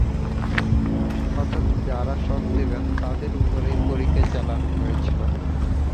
অর্থাৎ যারা শক দিবেন তাদের উপরই পরীক্ষা চালানো হয়েছিল।